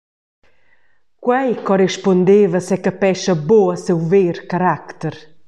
Quei corrispundeva secapescha buc a siu ver caracter.